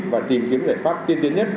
và tìm kiếm giải pháp tiên tiến nhất